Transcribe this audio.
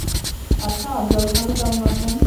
আচ্ছা আফজাল খালু কেমন আছেন?